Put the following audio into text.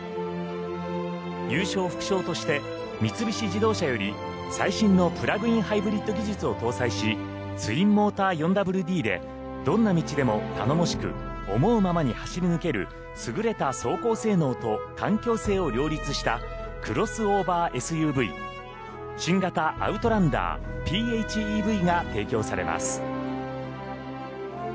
優勝副賞として、三菱自動車より最新のプラグインハイブリッド技術を搭載しツインモーター４ＷＤでどんな道でも頼もしく思うままに走り抜ける優れた走行性能と環境性を両立したクロスオーバーＳＵＶ新型ＯＵＴＬＡＮＤＥＲＰＨＥＶが提供されます。